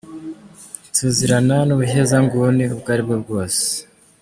Tuzirana n’ubuhezanguni ubwo ari bwo bwose.